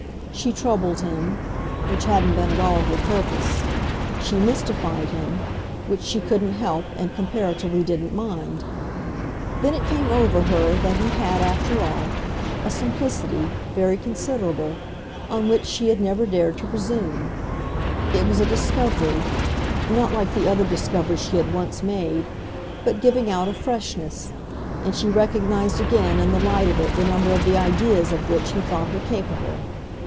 She troubled him which hadn't been at all her purpose; she mystified him which she couldn't help and, comparatively, didn't mind; then it came over her that he had, after all, a simplicity, very considerable, on which she had never dared to presume. It was a discovery not like the other discovery she had once made, but giving out a freshness; and she recognised again in the light of it the number of the ideas of which he thought her capable.